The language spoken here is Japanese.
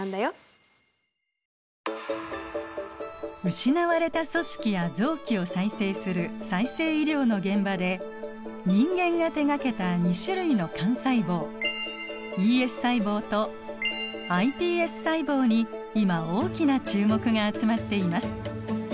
失われた組織や臓器を再生する再生医療の現場で人間が手がけた２種類の幹細胞ＥＳ細胞とｉＰＳ細胞に今大きな注目が集まっています。